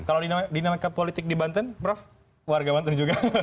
kalau dinamika politik di banten prof warga banten juga